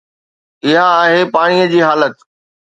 اها آهي پاڻي جي حالت.